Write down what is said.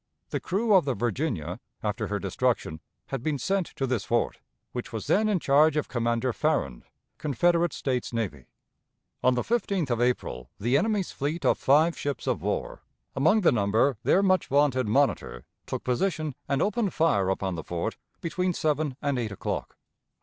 The crew of the Virginia, after her destruction, had been sent to this fort, which was then in charge of Commander Farrand, Confederate States Navy. On the 15th of April the enemy's fleet of five ships of war, among the number, their much vaunted Monitor, took position and opened fire upon the fort between seven and eight o'clock.